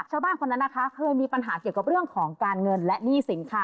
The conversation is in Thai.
ชาวบ้านคนนั้นนะคะเคยมีปัญหาเกี่ยวกับเรื่องของการเงินและหนี้สินค่ะ